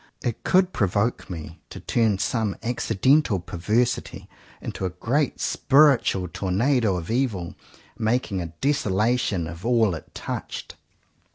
It could provoke me to turn some accidental perversity into a great spiritual tornado of evil, making a desolation of all it touched.